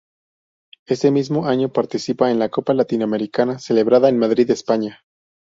Ese mismo año participa en la Copa Latinoamericana celebrada en Madrid, España.